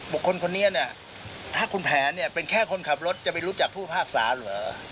คนนี้เนี่ยถ้าคุณแผนเนี่ยเป็นแค่คนขับรถจะไปรู้จักผู้พิพากษาเหรอ